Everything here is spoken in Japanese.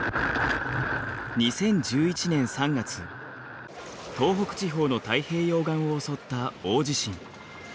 ２０１１年３月東北地方の太平洋岸を襲った大地震。